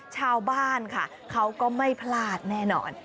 ชาวบ้านค่ะเขาก็ไม่พลาดแน่นอน